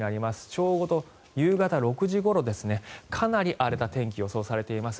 ちょうど夕方６時ごろかなり荒れた天気予想されています。